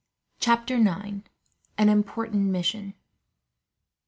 Chapter 9: An Important Mission.